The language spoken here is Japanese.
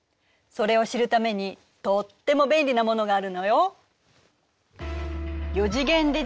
それを知るためにとっても便利なものがあるのよ。